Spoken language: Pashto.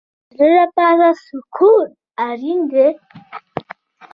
د زړه لپاره سکون اړین دی